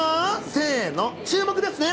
せーの、注目ですね。